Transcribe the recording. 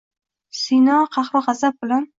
Sino qahru gʼazab bilan